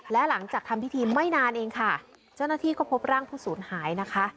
และหลังจากทำพิธีไม่นานเองค่ะเจ้าหน้าที่ก็พบร่างผู้สูญหายนะคะ